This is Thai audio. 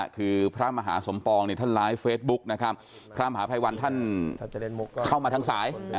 คือพระมหาสมปองท่านไลฟ์เฟซบุ๊กนะครับพระมหาภัยวันท่านเข้ามาทางสาย